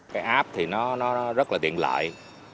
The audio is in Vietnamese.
cái app thì nó rất là tiện lợi